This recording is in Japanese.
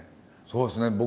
そうですね